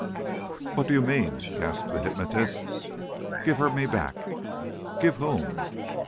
"What do you mean?" gasped the hypnotist. "Give her me back." "Give whom?"